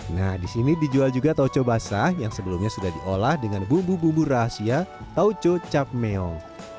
nah di sini dijual juga taoco basah yang sebelumnya sudah diolah dengan bumbu bumbu rahasia taoco chapmeong